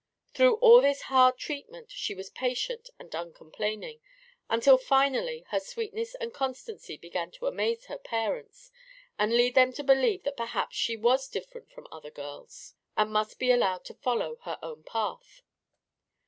Through all this hard treatment she was patient and uncomplaining, until finally her sweetness and constancy began to amaze her parents and lead them to believe that perhaps she was different from other girls and must be allowed to follow her own path.